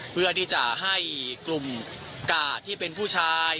เพื่อที่จะให้กลุ่มกาดที่เป็นผู้ชาย